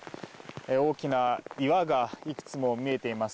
大きな岩がいくつも見えています。